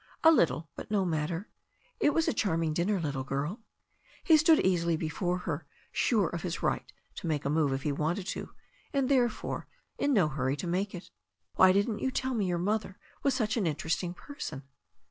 "A little, but no matter. It was a charming dinner, little girl." He stood easily before her, sure of his right to make a move if he wanted to, and, therefore, in no hurry to make it. "Why didn't you tell me your mother was such an in teresting person?"